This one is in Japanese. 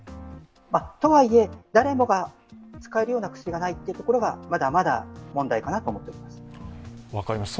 とはいえ、誰もが使えるような薬がないところがまだまだ問題かなと思っております。